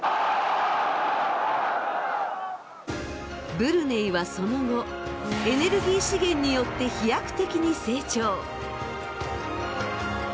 ブルネイはその後エネルギー資源によって飛躍的に成長。